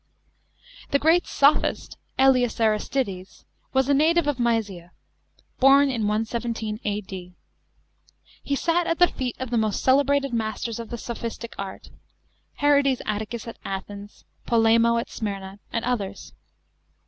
§ 11. The great sophist, ^ELIUS ARISTIDES, was a native of Mysia (born in 117 A.D.). He sat at the feet of the most celebrated masters of the soptiistic art, Herodes Atticus at Athens, Polemo at Smyrna, and others.